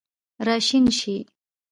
راشین شي